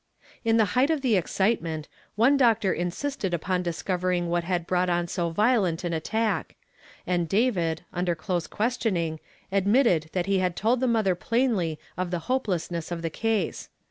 In the height of the excitement, one doctor in sisted upon discovering what had brought on so violent an attack ; and David, under close question ing, admitted that he had told the mother plainly of the hopelessness of the case.